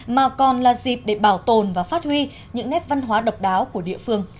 mà còn là dịp để bảo tồn và phát huy những nét văn hóa độc đáo của địa phương